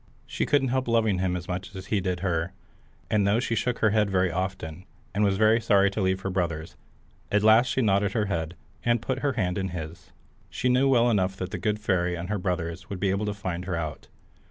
She couldn't help loving him as much as he did her, and though she shook her head very often, and was very sorry to leave her brothers, at last she nodded her head, and put her hand in his. She knew well enough that the good fairy and her brothers would be able to find her out.